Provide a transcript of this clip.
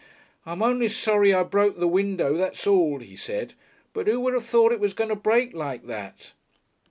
"I'm only sorry I broke the window that's all," he said. "But who would have thought it was going to break like that?"